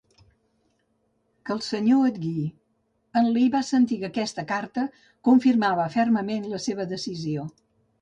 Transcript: Que el Senyor et guiï. En Lee va sentir que aquesta carta confirmava fermament la seva decisió.